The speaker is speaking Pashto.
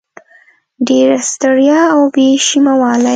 ډېره ستړیا او بې شیمه والی